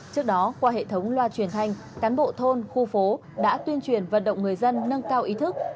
trước đó qua hệ thống loa truyền thanh cán bộ thôn khu phố đã tuyên truyền vận động người dân nâng cao ý thức